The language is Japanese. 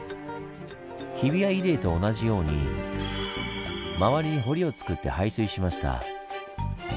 日比谷入江と同じように周りに堀をつくって排水しました。